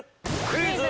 クイズ！